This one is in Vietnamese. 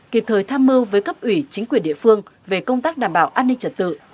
kịp thời tham mưu với cấp ủy chính quyền địa phương về công tác đảm bảo an ninh trật tự